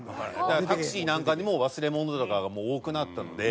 だからタクシーなんかにも忘れ物とかがもう多くなったので。